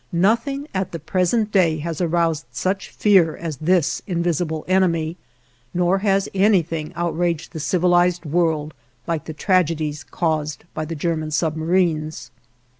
Nothing at the present day has aroused such fear as this invisible enemy, nor has anything outraged the civilized world like the tragedies caused by the German submarines.